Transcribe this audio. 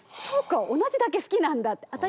そうか同じだけ好きなんだって。